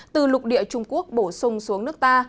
từ lục địa trung quốc bổ sung xuống nước ta